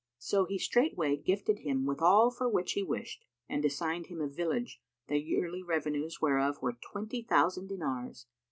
So he straightway gifted him with all for which he wished and assigned him a village, the yearly revenues whereof were twenty thousand dinars.